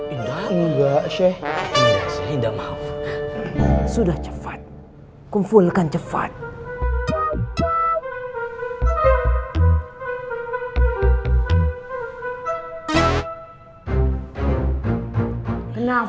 iduh kenapa sih cepet banget pergi